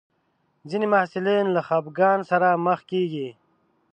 ځینې محصلین له خپګان سره مخ کېږي.